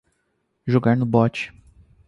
Jogar no bot